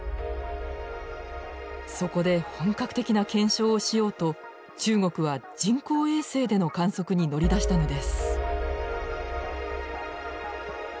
そこで本格的な検証をしようと中国は人工衛星での観測に乗り出したのです。